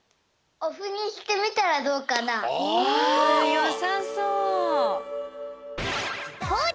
よさそう！